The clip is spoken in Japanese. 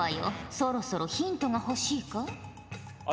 そろそろヒントが欲しいか？